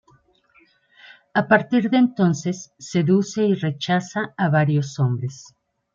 A partir de entonces seduce y rechaza a varios hombres.